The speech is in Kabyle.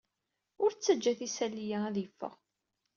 Ur ttajjat isali-a ad yeffeɣ.